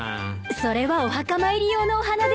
それはお墓参り用のお花ですけど。